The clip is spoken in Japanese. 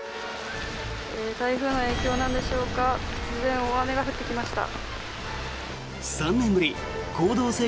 台風の影響なんでしょうか突然、大雨が降ってきました。